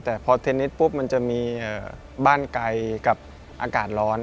แต่พอเทนนิสปุ๊บมันจะมีบ้านไกลกับอากาศร้อน